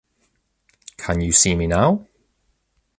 Can you see me now?